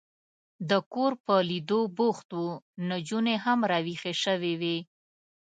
د کور په لیدو بوخت و، نجونې هم را وېښې شوې وې.